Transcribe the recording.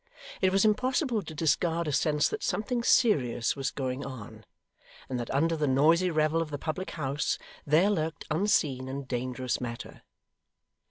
It was impossible to discard a sense that something serious was going on, and that under the noisy revel of the public house, there lurked unseen and dangerous matter.